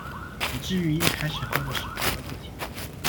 以至於一開始喝的時候都不甜